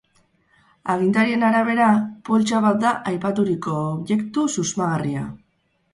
Agintarien arabera, poltsa bat da aipaturiko objektu susmagarria.